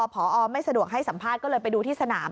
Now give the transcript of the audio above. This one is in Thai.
พอไม่สะดวกให้สัมภาษณ์ก็เลยไปดูที่สนาม